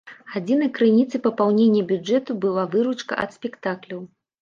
Адзінай крыніцай папаўнення бюджэту была выручка ад спектакляў.